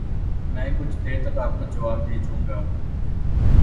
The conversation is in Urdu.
میں کچھ دیر تک آپ کو جواب بھیجوں گا۔۔۔